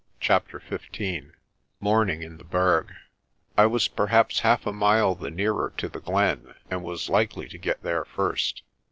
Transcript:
CHAPTER XV MORNING IN THE BERG I WAS perhaps half a mile the nearer to the glen, and was likely to get there first.